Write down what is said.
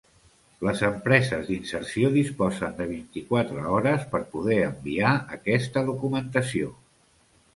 Les empreses d'inserció disposen de vint-i-quatre hores per poder enviar aquesta documentació.